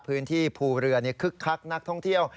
พื้นที่ภูเรือคึกคักนักท่องเที่ยว